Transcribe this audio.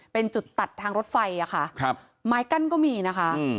เป็นจุดตัดทางรถไฟค่ะครับไม้กั้นก็มีนะคะ